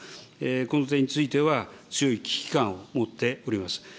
この点については、強い危機感を持っております。